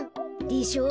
でしょ？